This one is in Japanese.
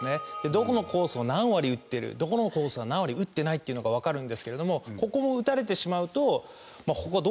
どこのコースを何割打ってるどこのコースは何割打ってないというのがわかるんですけれどもここも打たれてしまうと他どうしようかな